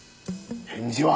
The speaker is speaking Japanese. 返事は？